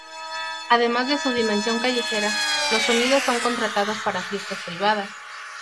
Además de su dimensión callejera, los sonidos son contratados para fiestas privadas.